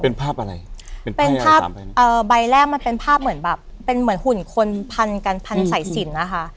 เป็นภาพอะไรเป็นภาพเอ่อใบแรกมันเป็นภาพเหมือนแบบเป็นเหมือนหุ่นคนพันกันพันสายสินนะคะ